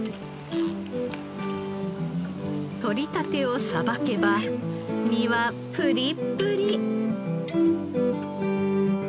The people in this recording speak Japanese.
とりたてを捌けば身はプリップリ！